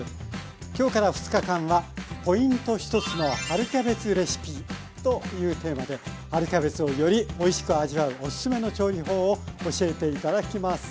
今日から２日間はというテーマで春キャベツをよりおいしく味わうおすすめの調理法を教えて頂きます。